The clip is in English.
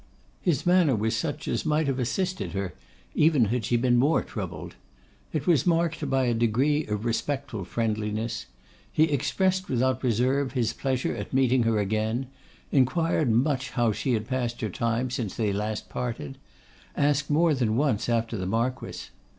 His manner was such as might have assisted her, even had she been more troubled. It was marked by a degree of respectful friendliness. He expressed without reserve his pleasure at meeting her again; inquired much how she had passed her time since they last parted; asked more than once after the Marquess.